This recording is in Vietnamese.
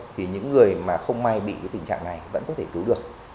thì những người mà không may bị tình trạng này vẫn có thể cứu được